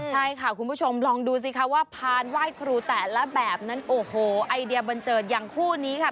ใช่ค่ะคุณผู้ชมลองดูสิคะว่าพานไหว้ครูแต่ละแบบนั้นโอ้โหไอเดียบันเจิดอย่างคู่นี้ค่ะ